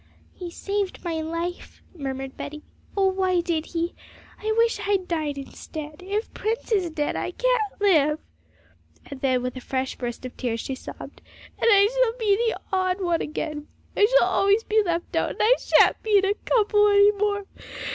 'He saved my life,' murmured Betty; 'oh, why did he? I wish I'd died instead; if Prince is dead, I can't live!' And then, with a fresh burst of tears, she sobbed, 'And I shall be the odd one again! I shall always be left out! and I shan't be in a couple any more!